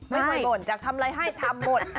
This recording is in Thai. ไม่ค่อยบ่นจากทำอะไรให้ทำหมด